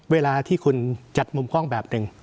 เวลาที่คุณจัดมุมกล้องแบบหนึ่ง